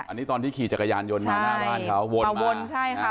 อันนี้ตอนที่ขี่จักรยานยนต์มาหน้าบ้านเขาวนวนใช่ค่ะ